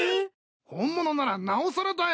本物ならなおさらだよ。